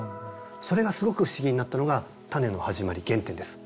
それがすごく不思議になったのがたねの始まり原点です。